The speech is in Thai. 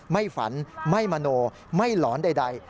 ไม่ฝันไม่มโนไม่หลอนใด